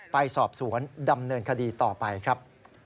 ไปสอบสวนดำเนินคดีต่อไปครับ